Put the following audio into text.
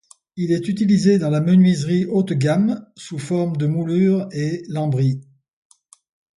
Il est utilisé dans la menuiserie haute-gamme sous forme de moulures et lambris.